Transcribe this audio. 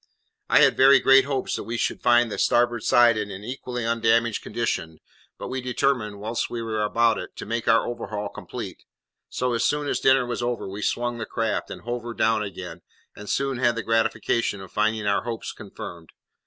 I had very great hopes that we should find the starboard side in an equally undamaged condition; but we determined, whilst we were about it, to make our overhaul complete, so, as soon as dinner was over, we swung the craft, and hove her down again, and soon had the gratification of finding our hopes confirmed.